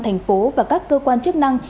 thành phố và các cơ quan chức năng